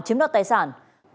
chiếm đoạt tài sản